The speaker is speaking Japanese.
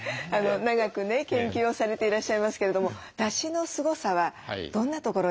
長くね研究をされていらっしゃいますけれどもだしのすごさはどんなところに？